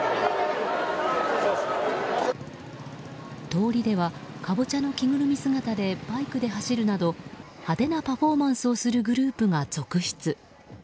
通りではカボチャの着ぐるみ姿でバイクで走るなど派手なパフォーマンスをするグループが続出。